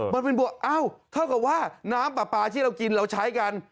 มันเป็นบวกเอ้าเท่ากับว่าน้ำปลาปลาที่เรากินเราใช้กัน